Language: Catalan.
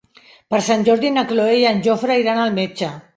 Per Sant Jordi na Cloè i en Jofre iran al metge.